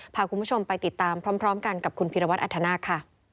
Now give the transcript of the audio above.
พาคุณผู้ชมไปติดตามพร้อมกันกับคุณภีรวรรดิอัฐนาค